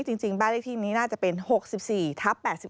จริงบ้านเลขที่นี้น่าจะเป็น๖๔ทับ๘๒